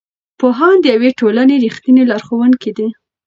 پوهان د یوې ټولنې رښتیني لارښوونکي دي.